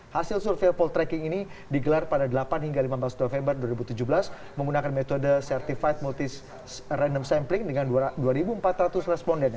hasil survei poltreking ini digelar pada delapan hingga lima belas november dua ribu tujuh belas menggunakan metode certified multis random sampling dengan dua empat ratus responden